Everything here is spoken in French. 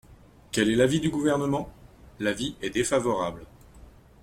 Quel est l’avis du Gouvernement ? L’avis est défavorable.